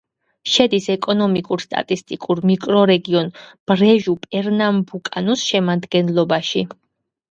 შედის ეკონომიკურ-სტატისტიკურ მიკრორეგიონ ბრეჟუ-პერნამბუკანუს შემადგენლობაში.